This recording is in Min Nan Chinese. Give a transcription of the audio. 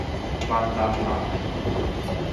閩南人